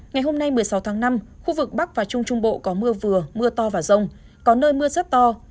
ngày hôm nay một mươi sáu tháng năm khu vực bắc và trung trung bộ có mưa vừa mưa to và rông có nơi mưa rất to